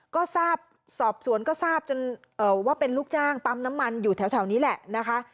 ก็ทราบสอบสวนก็ทราบจนว่าเป็นลูกจ้างปั๊มน้ำมันอยู่แถวนี้แหละนะคะ